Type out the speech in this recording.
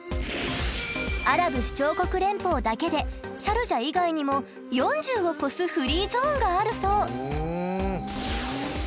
アラブ首長国連邦だけでシャルジャ以外にも４０を超すフリーゾーンがあるそう。